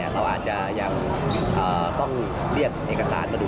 เราอาจจะยังต้องเรียกเอกสารมาดู